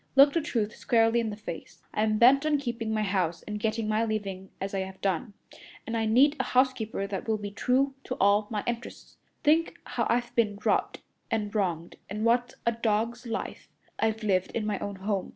Look the truth squarely in the face. I'm bent on keeping my house and getting my living as I have done, and I need a housekeeper that will be true to all my interests. Think how I've been robbed and wronged, and what a dog's life I've lived in my own home.